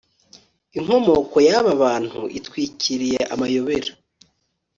inkomoko yaba bantu itwikiriye amayobera